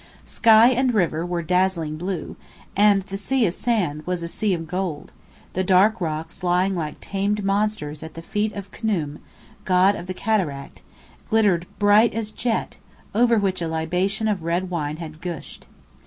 Sky and river were dazzling blue, and the sea of sand was a sea of gold, the dark rocks lying like tamed monsters at the feet of Khnum, god of the Cataract, glittered bright as jet, over which a libation of red wine had gushed.